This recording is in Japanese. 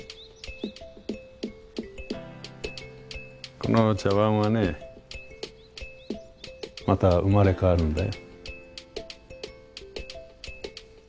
この茶わんはねまた生まれ変わるんだよ。